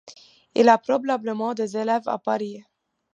Il a probablement des élèves à Paris.